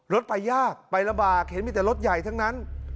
รถไปยากไปลำบากเห็นมีแต่รถใหญ่ทั้งนั้น